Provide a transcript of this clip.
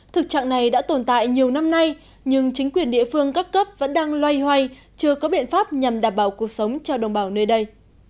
thực trạng này đã tồn tại nhiều năm nay nhưng chính quyền địa phương các cấp vẫn đang loay hoay chưa có biện pháp nhằm đảm bảo cuộc sống cho đồng bào nơi đây